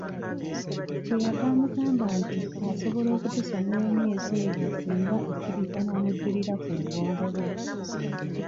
Kye yava amugamba nti asobola okutusonyiwa emyezi egyo ssinga akkiriza n'amujjulira ku luwombo lwe.